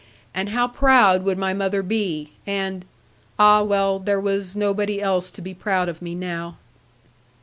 And how proud would my mother be; and ah well, there was nobody else to be proud of me now.